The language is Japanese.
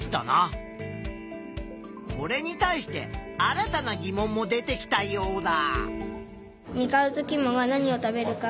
これに対して新たなぎ問も出てきたヨウダ。